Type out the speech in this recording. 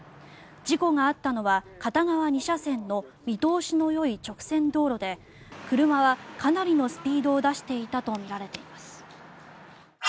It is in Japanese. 事故があったのは片側２車線の見通しのよい直線道路で車は、かなりのスピードを出していたとみられています。